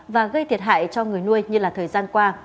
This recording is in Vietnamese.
và gây thiệt hại cho người nuôi như là thời gian qua